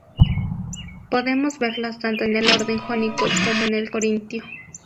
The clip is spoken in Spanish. Podemos verlas tanto en el orden jónico como en el corintio.